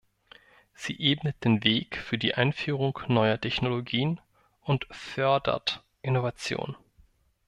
Sie ebnet den Weg für die Einführung neuer Technologien und fördert Innovation.